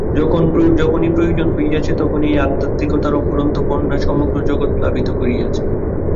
যখনই প্রয়োজন হইয়াছে, তখনই এই আধ্যাত্মিকতার অফুরন্ত বন্যা সমগ্র জগৎ প্লাবিত করিয়াছে।